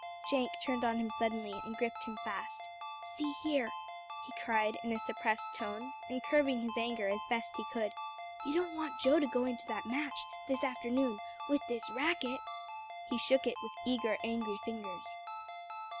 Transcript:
Jenk turned on him suddenly, and gripped him fast. "See here," he cried in a suppressed tone, and curbing his anger as best he could, "you don't want Joe to go into that match, this afternoon, with this racket." He shook it with eager, angry fingers.